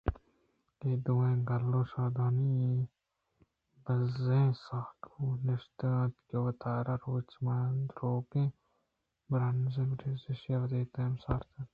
اے دوئیں گل ءُ شادانی آئی ءِ بزیں ساہگ ءَ نشت اَنت ءُ وتارا روچ ءِ مانداروکیں برٛانزاں پہریزت ایشاں کہ وتی دم سَاسَارت ءُ بالا کُت